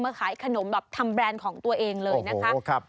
ขายขนมแบบทำแบรนด์ของตัวเองเลยนะคะ